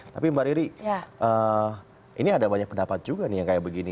tapi mbak riri ini ada banyak pendapat juga nih yang kayak begini